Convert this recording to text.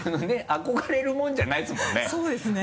憧れるもんじゃないですもんね。